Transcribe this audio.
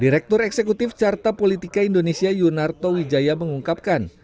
direktur eksekutif carta politika indonesia yunarto wijaya mengungkapkan